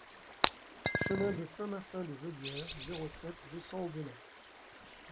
Chemin de Saint-Martin des Ollières, zéro sept, deux cents Aubenas